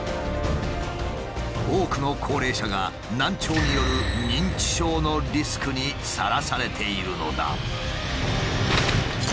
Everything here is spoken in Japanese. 多くの高齢者が難聴による認知症のリスクにさらされているのだ。